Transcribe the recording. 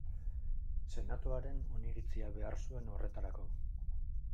Senatuaren oniritzia behar zuen horretarako.